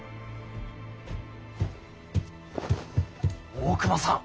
大隈さん